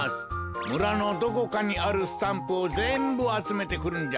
むらのどこかにあるスタンプをぜんぶあつめてくるんじゃ。